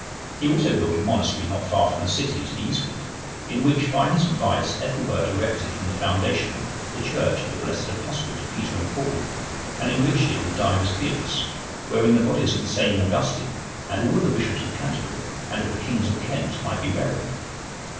(135) He also built a monastery not far from the city to the eastward, in which, by his advice, Ethelbert erected from the foundation the church of the blessed Apostles, Peter and Paul,(136) and enriched it with divers gifts; wherein the bodies of the same Augustine, and of all the bishops of Canterbury, and of the kings of Kent, might be buried.